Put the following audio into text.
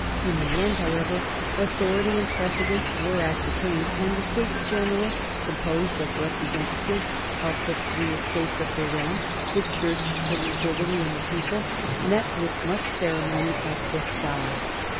In the end, however, authority and precedent were ascertained, and the States General, composed of representatives of the three estates of the realm the Church, the Nobility, and the People met with much ceremony at Versailles.